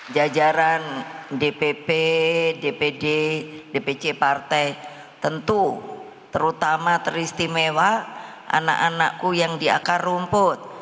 jajaran dpp dpd dpc partai tentu terutama teristimewa anak anakku yang di akar rumput